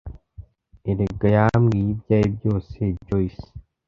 erega yambwiye ibyawe byose joyce.